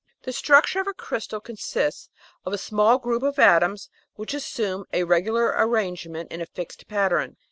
The structure of a crystal consists of a small group of atoms which assume a regular arrangement in a fixed pattern.